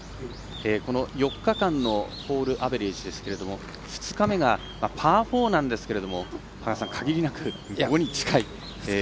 ４日間のホールアベレージですが２日目がパー４なんですけれども限りなく５に近い。